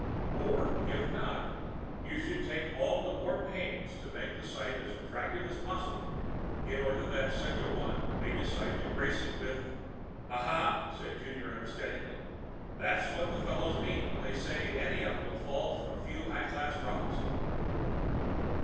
Or, if not, you should take all the more pains to make that site as attractive as possible, in order that such a one may decide to grace it with " "Uh huh," said Junior understandingly. "That's what the fellows mean when they say any of 'em'll fall for a few high class rocks."